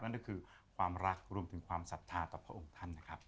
นั่นก็คือความรักรวมถึงความศรัทธาต่อพระองค์ท่านนะครับ